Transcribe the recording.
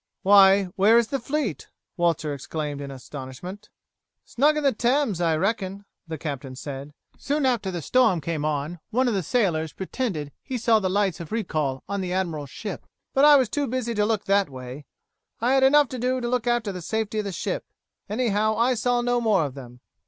"Why, where is the fleet?" Walter exclaimed in astonishment. "Snug in the Thames, I reckon," the captain said. "Soon after the storm came on one of the sailors pretended he saw the lights of recall on the admiral's ship; but I was too busy to look that way, I had enough to do to look after the safety of the ship. Anyhow, I saw no more of them."